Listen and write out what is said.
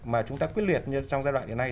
mà chúng ta quyết liệt trong giai đoạn này